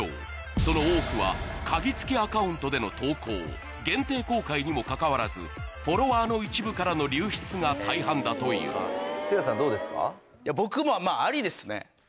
その多くはカギ付きアカウントでの投稿限定公開にもかかわらずフォロワーの一部からの流出が大半だという僕もまぁありですね。